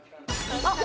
あっ！